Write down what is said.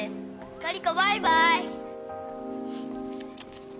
カリコバイバーイ。